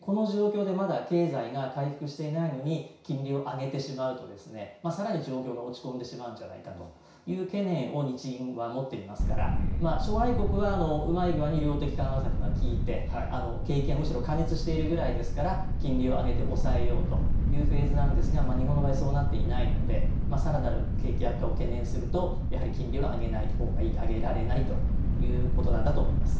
この状況でまだ経済が回復していないのに金利を上げてしまうと更に状況が落ち込んでしまうんじゃないかという懸念を日銀は持っていますから諸外国はうまい具合に量的緩和策が効いて景気がむしろ過熱してるぐらいですから金利を上げて抑えようというフェーズなんですが日本の場合はそうなっていないので更なる景気悪化を懸念するとやはり金利は上げないほうがいい上げられないということなんだと思います。